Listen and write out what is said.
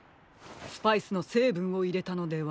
スパイスのせいぶんをいれたのでは？